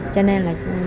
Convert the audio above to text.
cho nên là